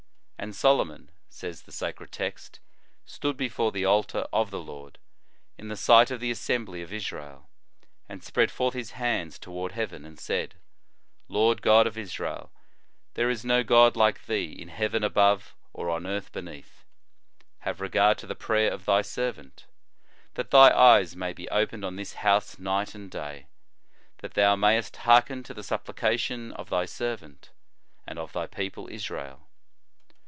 "And Solomon," says the Sacred Text, " stood before the altar of the Lord, in the sight of the assembly of Israel, and spread forth his hands toward heaven, and said : Lord God of Israel, there is no God like thee in heaven above, or on earth beneath. ... Have regard to the prayer of thy servant. ... That thy eyes may be opened on this house night and day; .. That thou mayest hearken to the supplication of thy servant, and of thy people Israel."